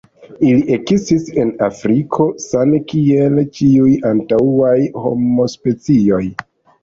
Ili ekestis en Afriko, same kiel ĉiuj antaŭaj homospecioj.